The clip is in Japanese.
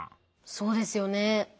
そうですよね。